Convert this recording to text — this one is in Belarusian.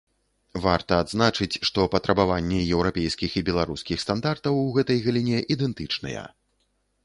Варта адзначыць, што патрабаванні еўрапейскіх і беларускіх стандартаў у гэтай галіне ідэнтычныя.